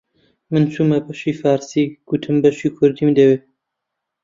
من چوومە بەشی فارسی، گوتم بەشی کوردیم دەوێ